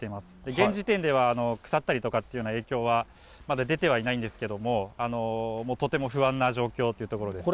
現時点では、腐ったりとかっていう影響はまだ出てはいないんですけれども、もうとても不安な状況というところです。